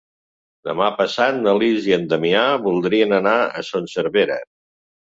Demà passat na Lis i en Damià voldrien anar a Son Servera.